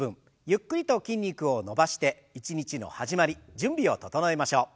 ゆっくりと筋肉を伸ばして一日の始まり準備を整えましょう。